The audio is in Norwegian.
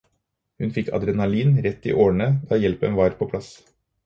Hun fikk adrenalin rett i årene da hjelpen var på plass.